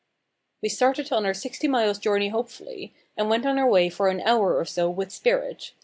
We started on our sixty miles' journey hopefully, and went on our way for an hour or so with spirit.